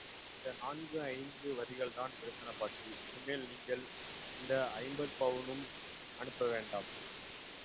இந்த நான்கு ஐந்து வரிகள்தான் இருந்தன பாட்டி, இனிமேல் நீங்கள் இந்த ஐம்பது பவுனும் அனுப்ப வேண்டாம்.